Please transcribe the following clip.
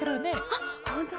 あっほんとだ！